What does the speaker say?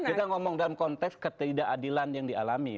kita ngomong dalam konteks ketidakadilan yang dialami